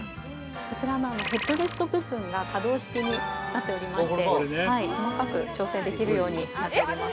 ◆こちらのヘッドレスト部分が可動式になっておりまして細かく調整できるようになっております。